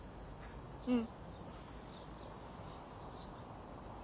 うん。